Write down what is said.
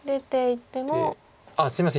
あっすいません。